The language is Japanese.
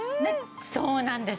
そうなんです。